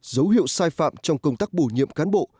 dấu hiệu sai phạm trong công tác bổ nhiệm cán bộ